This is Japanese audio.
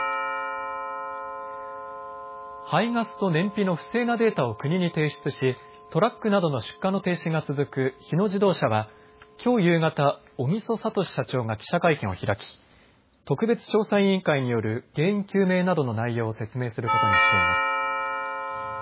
排ガスと燃費の不正なデータを国に提出しトラックなどの出荷の停止が続く日野自動車はきょう夕方、小木曽聡社長が記者会見を開き特別調査委員会による原因究明などの内容を説明することにしています。